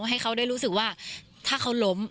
ให้เขาได้รู้สึกว่าถ้าเขาล้ม